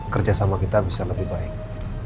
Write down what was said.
kerjasama kita bisa lebih baik